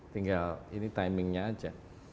tinggal ini timingnya aja